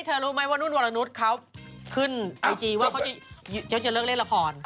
รู้ไหมว่านุ่นวรนุษย์เขาขึ้นไอจีว่าเขาจะเลิกเล่นละคร